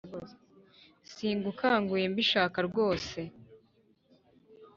singukanguye mbishaka ryose